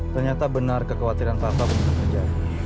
ternyata benar kekhawatiran papa untuk bekerja